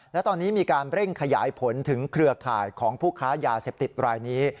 และตอนนี้มีการเร่งขยายผลถึงเครือข่ายของผู้ค้ายาเสพติดรายนี้